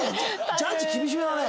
ジャッジ厳しめだね。